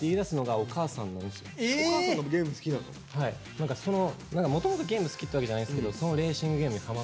何かもともとゲーム好きっていうわけじゃないんですけどそのレーシングゲームにハマって。